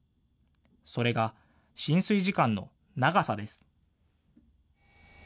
それが浸水時間の長さです。